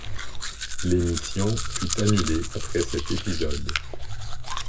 L'émission fut annulée après cet épisode.